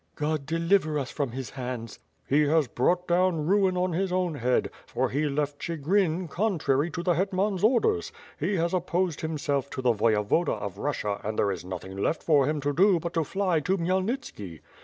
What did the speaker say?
"God deliver us from his hands!" "He has brought down ruin on his own head, for he left Chigrin, contrary to the hctman's orders; he has opposed himself to the Voyevoda of Russia and there is nothing left for him to do but to fly to Khmyelnitski.